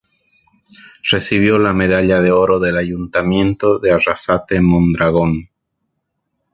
Recibió la Medalla de Oro del Ayuntamiento de Arrasate-Mondragón.